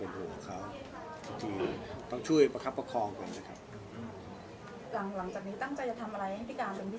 หลังจากนี้ตั้งใจจะทำอะไรให้พี่การเป็นพิเศษไหมครับพูดถึงเหมือนกับเป็นการเริ่มต้นอะไรดี